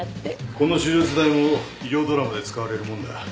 この手術台も医療ドラマで使われるもんだ